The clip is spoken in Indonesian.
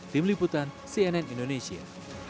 tim liputan cnn indonesia